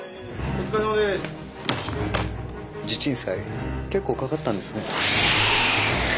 地鎮祭結構かかったんですね。